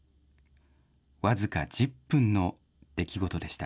僅か１０分の出来事でした。